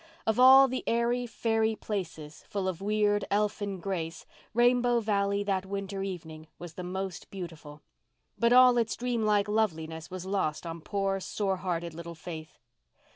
Of all the airy, fairy places, full of weird, elfin grace, Rainbow Valley that winter evening was the most beautiful. But all its dreamlike loveliness was lost on poor, sore hearted little Faith.